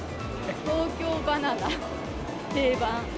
東京ばな奈、定番。